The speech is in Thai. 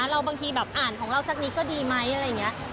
บางทีแบบอ่านของเราสักนิดก็ดีไหมอะไรอย่างนี้